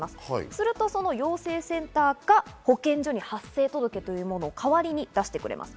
すると陽性センターが保健所に発生届というものを代わりに出してくれます。